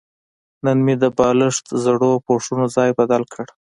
نن مې د بالښت زړو پوښونو ځای بدل کړ.